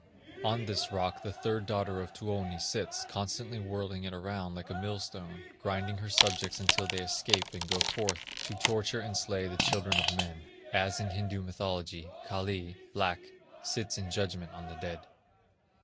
On this rock the third daughter of Tuoni sits, constantly whirling it round like a millstone, grinding her subjects until they escape and go forth to torture and slay the children of men; as in Hindu mythology, Kali (black) sits in judgment on the dead.